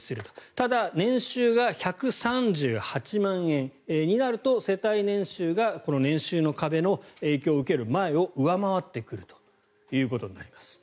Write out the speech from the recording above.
ただ、年収が１３８万円になると世帯年収が年収の壁の影響を受ける前を上回ってくるということになります。